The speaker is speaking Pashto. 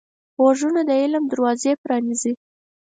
غوږونه د علم دروازې پرانیزي